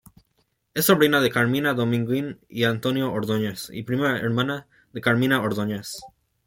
Es sobrina de Carmina Dominguín y Antonio Ordóñez y prima hermana de Carmina Ordóñez.